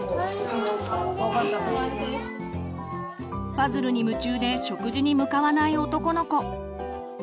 パズルに夢中で食事に向かわない男の子。